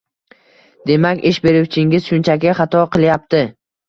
Demak, ish beruvchingiz shunchaki xato qilyapti.